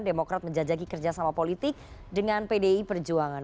demokrat menjajaki kerjasama politik dengan pdi perjuangan